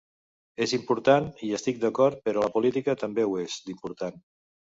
És important, hi estic d’acord, però la política també ho és, d’important.